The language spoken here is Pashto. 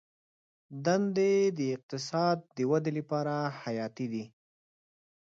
دندې د اقتصاد د ودې لپاره حیاتي دي.